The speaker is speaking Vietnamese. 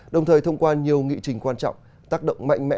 đồng thời thông qua nhiều nghị trình quan trọng tác động mạnh mẽ